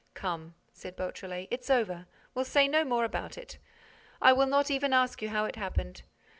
"Come," said Beautrelet, "it's over, we'll say no more about it. I will not even ask you how it happened.